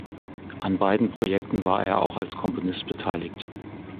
An beiden Projekten war er auch als Komponist beteiligt.